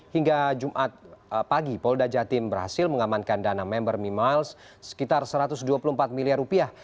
hingga jumat pagi polda jatim berhasil mengamankan dana member memiles sekitar satu ratus dua puluh empat miliar rupiah